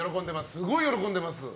すごい喜んでます。